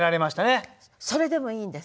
それでもいいんです。